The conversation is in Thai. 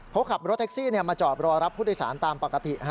เขาขับรถแท็กซี่มาจอดรอรับผู้โดยสารตามปกติ